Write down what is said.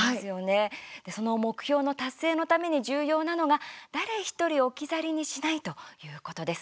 その目標の達成のために重要なのが誰一人置き去りにしないということです。